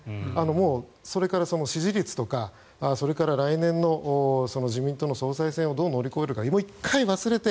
もう、それから支持率とか来年の自民党の総裁選をどう乗り越えるか１回忘れて。